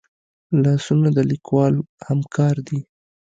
لاسونه د لیکوال همکار دي